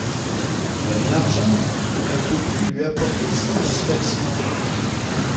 Même l'argent ne peut plus lui apporter satisfaction.